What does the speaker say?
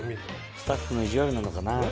スタッフの意地悪なのかな。